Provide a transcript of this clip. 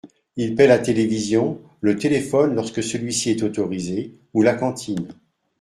Ils paient la télévision, le téléphone lorsque celui-ci est autorisé, ou la cantine.